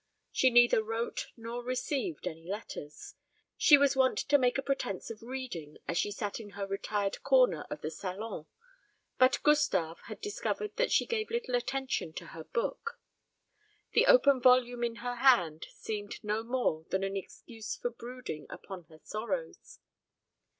She neither wrote nor received any letters. She was wont to make a pretence of reading as she sat in her retired corner of the salon; but Gustave had discovered that she gave little attention to her book. The open volume in her hand seemed no more than an excuse for brooding upon her sorrows.